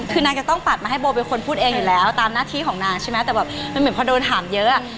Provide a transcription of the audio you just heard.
คือนางต้องปะดมาให้โบวี่เป็นคนพูดเองตามหน้าที่ของนางแต่เหมือนถามเยอะ